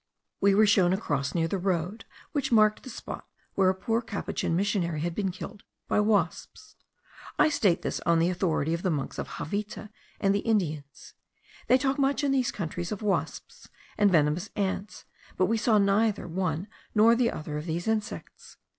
We were shown a cross near the road, which marked the spot where a poor capuchin missionary had been killed by wasps. I state this on the authority of the monks of Javita and the Indians. They talk much in these countries of wasps and venomous ants, but we saw neither one nor the other of these insects.